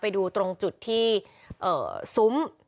ไปดูตรงจุดที่ซุ้ม